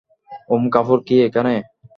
ওম কাপুর কি এখানে?